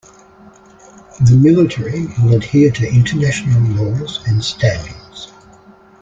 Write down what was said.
The Military will adhere to international laws and standards.